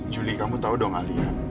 juli kamu tahu dong ali